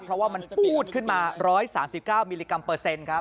เพราะว่ามันปูดขึ้นมา๑๓๙มิลลิกรัมเปอร์เซ็นต์ครับ